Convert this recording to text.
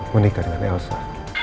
menikah dengan elsa